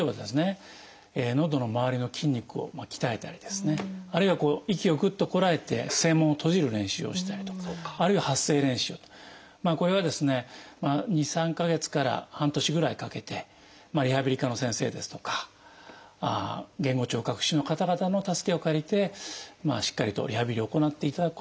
のどのまわりの筋肉を鍛えたりですねあるいは息をぐっとこらえて声門を閉じる練習をしたりとかあるいは発声練習とかこれはですね２３か月から半年ぐらいかけてリハビリ科の先生ですとか言語聴覚士の方々の助けを借りてしっかりとリハビリを行っていただくことが大事だと思います。